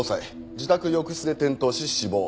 自宅浴室で転倒し死亡。